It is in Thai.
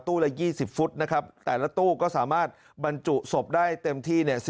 ตู้ละ๒๐ฟุตนะครับแต่ละตู้ก็สามารถบรรจุสมได้เต็มที่